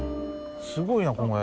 すごいなこの絵。